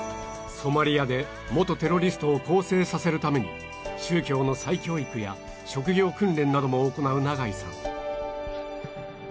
ソマリアで元テロリストを更生させるために宗教の再教育や職業訓練なども行う永井さん